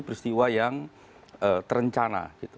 peristiwa yang terencana